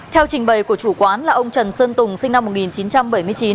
theo trình bày của chủ quán là ông trần sơn tùng sinh năm một nghìn chín trăm bảy mươi chín